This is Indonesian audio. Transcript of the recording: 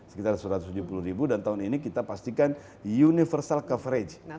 sekitar satu ratus tujuh puluh ribu dan tahun ini kita pastikan universal coverage